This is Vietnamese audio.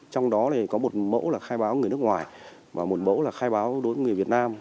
trong đó có một mẫu là khai báo người nước ngoài và một mẫu là khai báo đối với người việt nam